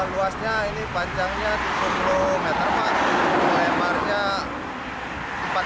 luasnya ini panjangnya sepuluh meter pak